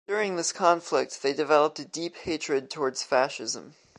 During this conflict, they developed a deep hatred towards fascism.